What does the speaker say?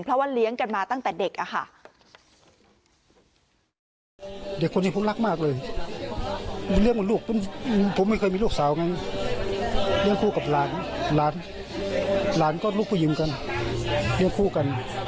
เพราะว่าเลี้ยงกันมาตั้งแต่เด็กค่ะ